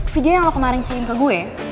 video yang lo kemarin kirim ke gue